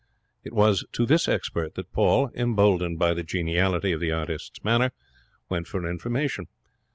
It was to this expert that Paul, emboldened by the geniality of the artist's manner, went for information.